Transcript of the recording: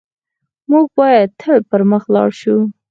موږ بايد تل پر مخ لاړ شو.